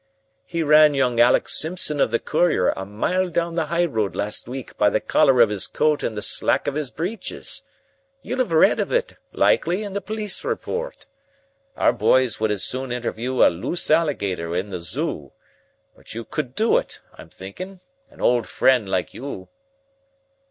He ran young Alec Simpson of the Courier a mile down the high road last week by the collar of his coat and the slack of his breeches. You'll have read of it, likely, in the police report. Our boys would as soon interview a loose alligator in the zoo. But you could do it, I'm thinking an old friend like you."